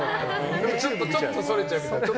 ちょっとそれちゃうみたいな。